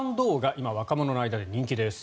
今、若者の間で人気です。